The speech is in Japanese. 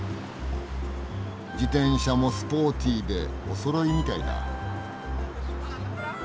自転車もスポーティーでおそろいみたいだ。